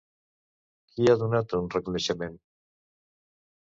Qui ha donat un reconeixement?